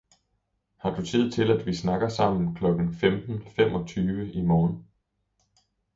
Har du tid til at vi snakker sammen klokken femten femogtyve i morgen